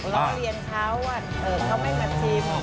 ล้อเลียนเขาเขาไม่มาชิม